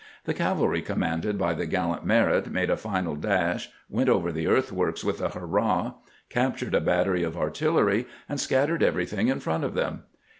The cavalry commanded by the gallant Merritt made a final dash, went over the earthworks with a hurrah, captured a battery of artillery, and scattered everything in front of them.